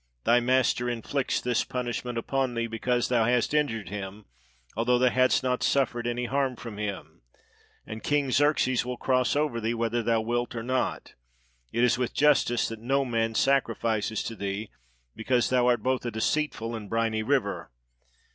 thy master inflicts this punishment upon thee, because thou hast injured him, although thou hadst not suffered any harm from him ; and King Xerxes will cross over thee, whether thou wilt or not; it is with justice that no man sacrifices to thee, because thou art both a deceitful and briny river!"